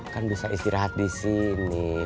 kan bisa istirahat di sini